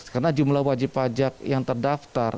karena jumlah wajib pajak yang terdaftar